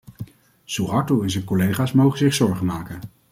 Soeharto en zijn collega's mogen zich zorgen maken.